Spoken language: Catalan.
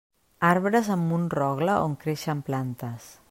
Arbres amb un rogle on creixen plantes.